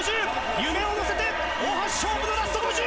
夢を乗せて、大橋、勝負のラスト５０。